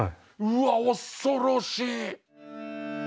うわっ恐ろしい。